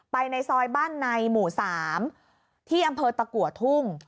ในซอยบ้านในหมู่๓ที่อำเภอตะกัวทุ่ง